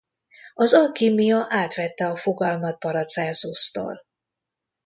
Az alkímia átvette a fogalmat Paracelsustól.